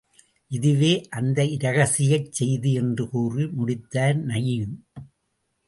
இதுவே அந்த இரகசியச் செய்தி என்று கூறி முடித்தார் நயீம்.